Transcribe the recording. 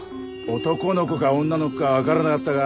男の子か女の子か分からなかったが。